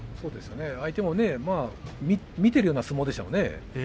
相手も見ているような相撲でしたもんね。